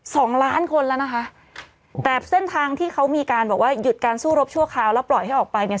สองล้านคนแล้วนะคะแต่เส้นทางที่เขามีการบอกว่าหยุดการสู้รบชั่วคราวแล้วปล่อยให้ออกไปเนี่ย